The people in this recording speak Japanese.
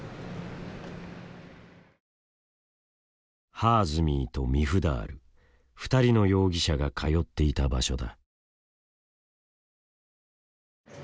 ハーズミーとミフダール２人の容疑者が通っていた場所だ。